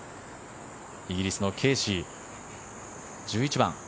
イギリスのケーシー、１１番。